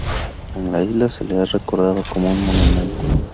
En la isla se le ha recordado con un monumento.